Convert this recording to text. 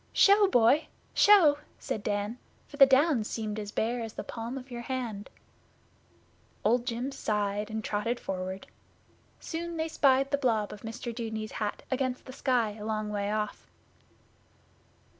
'Show, boy! Show!' said Dan, for the Downs seemed as bare as the palm of your hand. Old Jim sighed, and trotted forward. Soon they spied the blob of Mr Dudeney's hat against the sky a long way off.